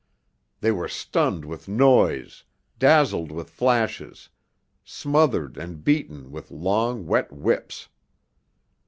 They were stunned with noise, dazzled with flashes, smothered and beaten with long, wet whips.